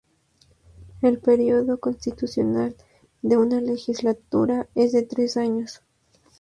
El periodo constitucional de una Legislatura es de tres años.